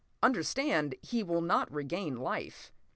Understand, he will not regain life.